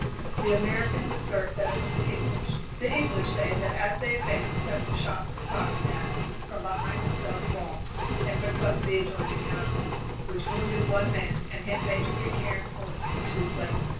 The Americans assert that it was the English; the English say that as they advanced several shots were fired at them from behind a stone wall and from some of the adjoining houses, which wounded one man and hit Major Pitcairne's horse in two places.